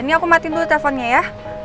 nih aku matiin dulu teleponnya ya